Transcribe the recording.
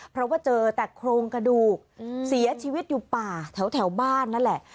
เพราะว่าเจอแต่โครงกระดูกเสียชีวิตอยู่ป่าแถวบ้านนั่นแหละ